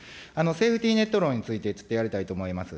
セーフティーネット論について、ちょっとやりたいと思います。